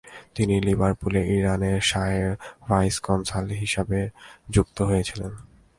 তিনি লিভারপুলে ইরানের শাহের ভাইস কনসাল হিসেবে নিযুক্ত হয়েছিলেন।